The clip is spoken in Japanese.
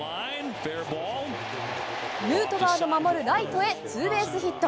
ヌートバーの守るライトへ、ツーベースヒット。